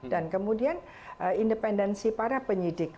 dan kemudian independensi para penyidik